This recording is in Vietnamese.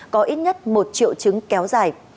có ít nhất một triệu chứng kéo dài